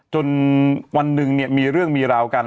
จนวันหนึ่งเนี่ยมีเรื่องมีราวกัน